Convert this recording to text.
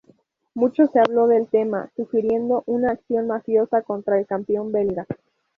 Mucho se habló del tema, sugiriendo una acción mafiosa contra el campeón belga.